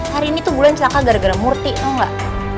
hari ini tuh bulan celaka gara gara murti atau enggak